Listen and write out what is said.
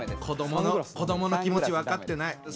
子どもの子どもの気持ち分かってない。